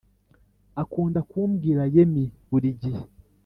Akunda kumbwira Yemi burigihe